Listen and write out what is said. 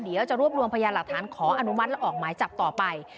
เดี๋ยวจะรวบรวมพยานหลักฐานขออนุมัติและออกหมายจับต่อไป